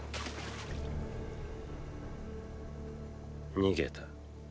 ・逃げた。